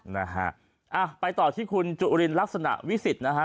นะฮะอ่ะไปต่อที่คุณจุลินลักษณะวิสิทธิ์นะฮะ